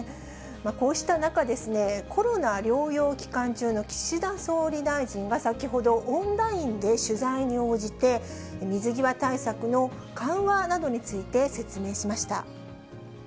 こうした中、コロナ療養期間中の岸田総理大臣が先ほど、オンラインで取材に応じて、水際対策の緩和などについて説明しました。